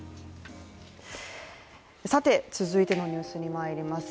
続いてのニュースにまいります。